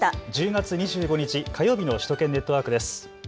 １０月２５日火曜日の首都圏ネットワークです。